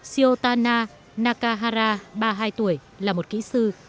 siêutana nakahara ba mươi hai tuổi là một kỹ sư